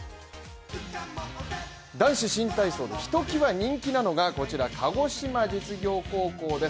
男子新体操でひときわ人気なのがこちら鹿児島実業高校です。